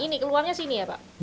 ini keluarnya sini ya pak